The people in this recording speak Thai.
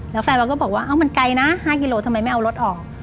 แล้วแฟนบอลก็บอกว่ามันไกลนะ๕กิโลทำไมไม่เอารถออก